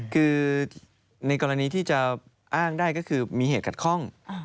คือในกรณีที่จะอ้างได้ก็คือมีเหตุขัดข้อง